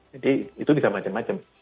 jadi itu bisa macam macam